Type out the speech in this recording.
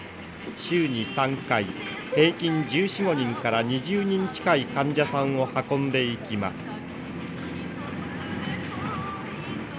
週に３回平均１４１５人から２０人近い患者さんを運んでいきます。